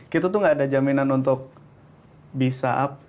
kita tuh gak ada jaminan untuk bisa up